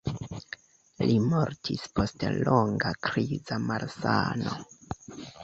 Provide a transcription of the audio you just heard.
Li mortis post longa kriza malsano.